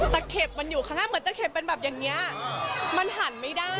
เข็บมันอยู่ข้างหน้าเหมือนตะเข็บเป็นแบบอย่างนี้มันหันไม่ได้